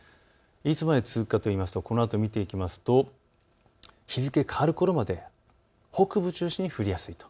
いつまで続くかというとこのあと見ていきますと日付変わるころまで北部中心に降りやすいと。